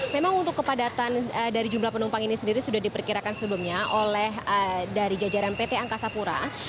memang untuk kepadatan dari jumlah penumpang ini sendiri sudah diperkirakan sebelumnya oleh dari jajaran pt angkasa pura